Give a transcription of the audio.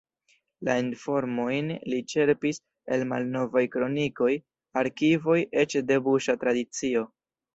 La informojn li ĉerpis el malnovaj kronikoj, arkivoj, eĉ de buŝa tradicio.